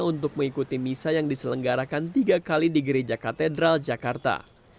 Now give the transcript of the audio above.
untuk mengikuti misa yang diselenggarakan tiga kali di gereja katedral jakarta